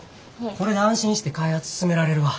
これで安心して開発進められるわ。